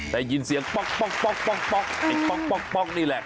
ได้ยินเสียงป๊อกไอ้ป๊อกนี่แหละ